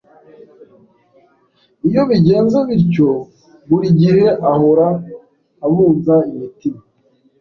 Iyo bigenze bityo buri gihe ahora abunza imitima